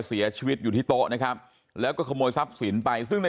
เสียชีวิตอยู่ที่โต๊ะนะครับแล้วก็ขโมยทรัพย์สินไปซึ่งใน